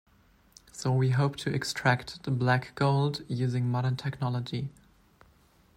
So we hope to extract the black gold using modern technology.